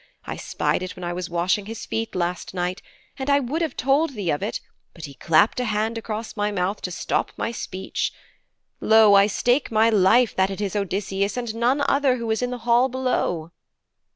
I spied it when I was washing his feet last night, and I would have told thee of it, but he clapped a hand across my mouth to stop my speech. Lo, I stake my life that it is Odysseus, and none other who is in the hall below.'